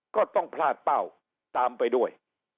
ก็ต้องพลาดเป้าตามไปด้วย